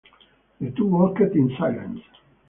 The two walked in silence.